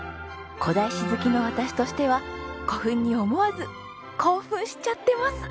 古代史好きの私としては古墳に思わずコーフンしちゃってます！